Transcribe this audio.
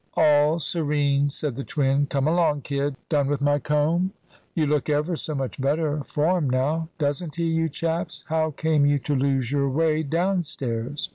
"All serene," said the twin. "Come along, kid. Done with my comb? You look ever so much better form now; doesn't he, you chaps? How came you to lose your way downstairs?"